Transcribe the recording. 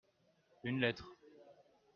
une lettre.